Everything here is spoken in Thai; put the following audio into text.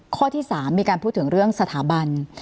ข้อที่๓มีการพูดถึงเรื่องสถาบัน